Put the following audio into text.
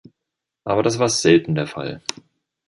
Aber das war selten der Fall.